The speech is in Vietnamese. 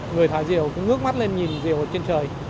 người thả diều cũng ngước mắt lên nhìn diều ở trên trời